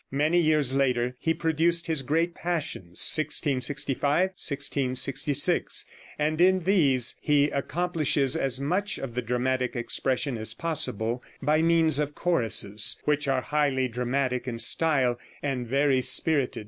Many years later he produced his great Passions (1665 1666), and in these he accomplishes as much of the dramatic expression as possible by means of choruses, which are highly dramatic in style and very spirited.